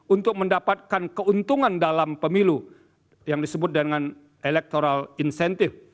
untuk mendapatkan keuntungan dalam pemilu yang disebut dengan electoral incentive